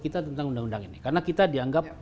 kita tentang undang undang ini karena kita dianggap